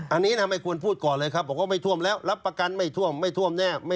อันนี้นะไม่ควรพูดก่อนเลยครับบอกว่าไม่ท่วมแล้วรับประกันไม่ท่วมไม่ท่วมแน่